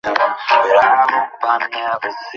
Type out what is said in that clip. একেই বলে, পরাজয়ের জয়।